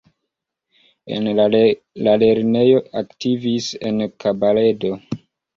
En la lernejo aktivis en kabaredo.